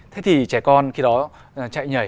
thế thì trẻ con khi đó chạy nhảy